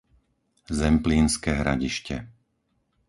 Zemplínske Hradište